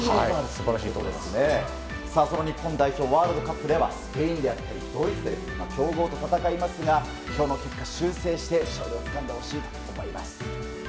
その日本代表ワールドカップではスペインやドイツなどの強豪と戦いますが今日の結果を修正して勝利をつかんでほしいとおもいます。